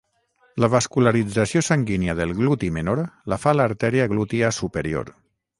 La vascularització sanguínia del gluti menor la fa l'artèria glútia superior.